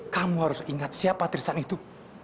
kamu harus ingat siapa trisan itu